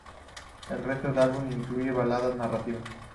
El resto del álbum incluye baladas narrativas.